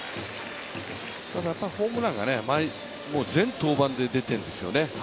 ただ、ホームランが全登板で出ているんですよね。